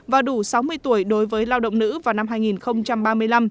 và đủ sáu mươi tuổi đối với lao động nữ vào năm hai nghìn ba mươi năm